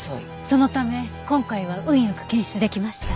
そのため今回は運良く検出出来ました。